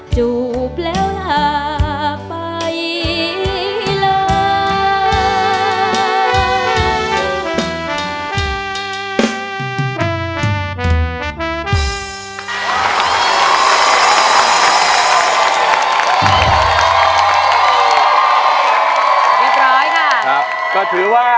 จูบแล้วลาไปเลย